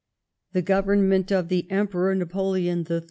The Government of the Emperor Napoleon III.